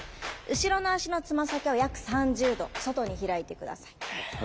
後ろの足のつま先を約３０度外に開いて下さい。